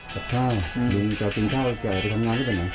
กับข้าวลุงจะกินข้าวจะไปทำงานหรือเปล่า